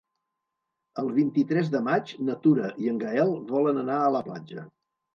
El vint-i-tres de maig na Tura i en Gaël volen anar a la platja.